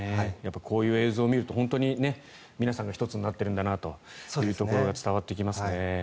こういう映像を見ると皆さんが１つになってるんだなというところが伝わってきますね。